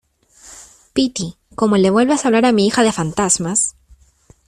piti, como le vuelvas a hablar a mi hija de fantasmas